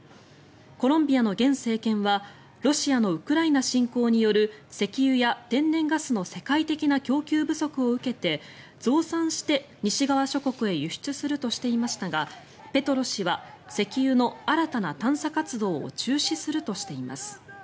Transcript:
コロンビアの現政権はロシアのウクライナ侵攻による石油や天然ガスの世界的な供給不足を受けて増産して西側諸国へ輸出するとしていましたがペトロ氏は石油の新たな探査活動を中止するとしています。